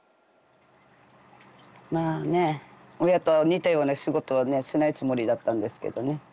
まあね親と似たような仕事はしないつもりだったんですけどね